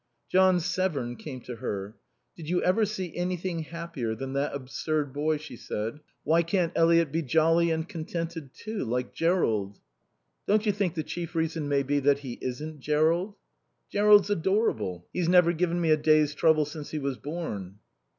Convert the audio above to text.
John Severn came to her. "Did you ever see anything happier than that absurd boy?" she said. "Why can't Eliot be jolly and contented, too, like Jerrold?" "Don't you think the chief reason may be that he isn't Jerrold?" "Jerrold's adorable. He's never given me a day's trouble since he was born."